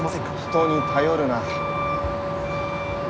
人に頼るな。